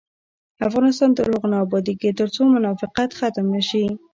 افغانستان تر هغو نه ابادیږي، ترڅو منافقت ختم نشي.